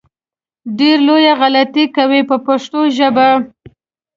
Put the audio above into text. ډېره لویه غلطي کوي په پښتو ژبه.